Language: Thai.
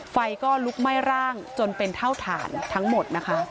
ไฟก็ลุกไหม้ร่างจนเป็นเท่าฐานทั้งหมดนะคะ